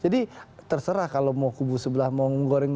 jadi terserah kalau mau kubu sebelah mau goreng goreng